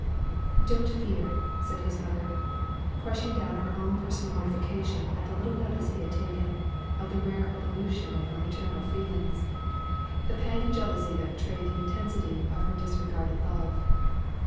"Don't fear!" said his mother, crushing down her own personal mortification at the little notice he had taken of the rare ebullition of her maternal feelings of the pang of jealousy that betrayed the intensity of her disregarded love.